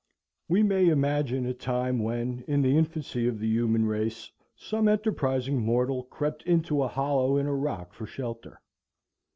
We may imagine a time when, in the infancy of the human race, some enterprising mortal crept into a hollow in a rock for shelter.